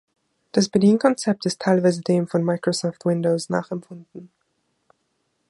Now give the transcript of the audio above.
Das Bedienkonzept ist teilweise dem von Microsoft Windows nachempfunden.